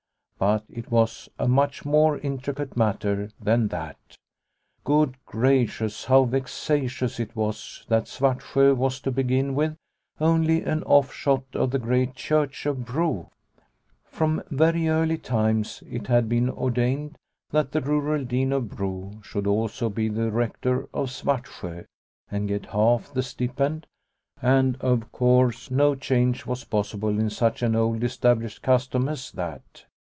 But it was a much more intricate matter than that. Good gracious, how vexatious it was that Svartsjo was, to begin with, only an offshoot of the great Church of Bro ! From very early times it had been ordained that the rural dean of Bro should also be the rector of Svartsjo, and get half the stipend, and, of course, no change was possible in such an old established custom as that.